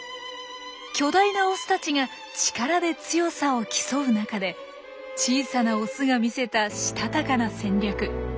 巨大なオスたちが力で強さを競う中で小さなオスが見せたしたたかな戦略。